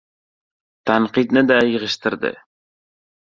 Tanqidnida yig‘ishtirdi!